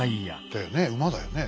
だよね馬だよねえ？